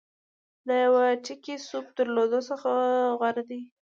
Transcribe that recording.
له یوه ډېګي سوپ درلودلو څخه غوره دی.